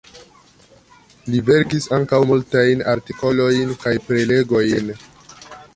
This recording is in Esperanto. Li verkis ankaŭ multajn artikolojn kaj prelegojn.